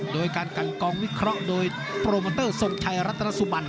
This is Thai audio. โดยการกันกองวิเคราะห์โดยโปรโมเตอร์ทรงชัยรัตนสุบัน